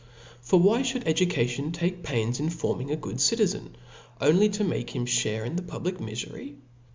For why (hould education take pains in forming a gogd citizen, only to make him (hare in the pub lic mifery